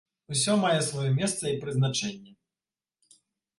Усё мае сваё месца і прызначэнне.